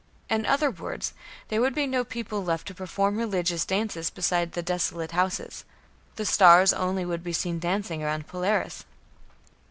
In other words, there would be no people left to perform religious dances beside the "desolate houses"; the stars only would be seen dancing round Polaris.